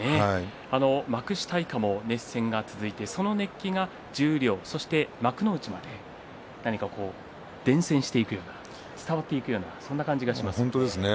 幕下以下も熱戦が続いてその熱気が十両そして幕内まで伝染していくような伝わってくるような感じがしますね。